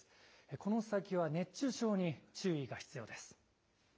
この先は熱中症に注意が必要です。